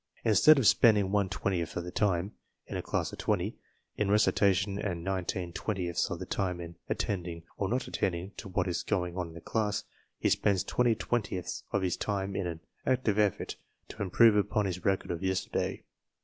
Instead of spending one twentieth of the time (in a class of twenty) in recitation and nineteen twentieths of the time in attending or not attending to what is going on in the class, he spends twenty twentieths of his time in an active effort to improve upon his record of yesterday.